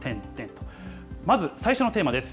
まず最初のテーマです。